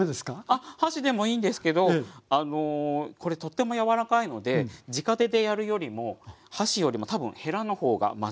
あっ箸でもいいんですけどこれとっても柔らかいのでじか手でやるよりも箸よりも多分へらの方が混ぜやすいと思います。